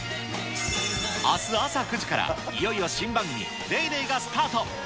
あす朝９時からいよいよ新番組、ＤａｙＤａｙ．がスタート。